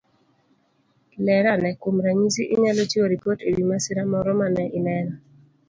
Ler ane. Kuom ranyisi, inyalo chiwo ripot e wi masira moro mane ineno